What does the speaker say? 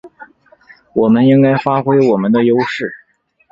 我们应该发挥我们的优势